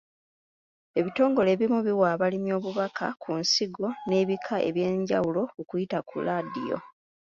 Ebitongole ebimu biwa abalimi obubaka ku nsigo n'ebika eby'enjawulo okuyita ku laadiyo.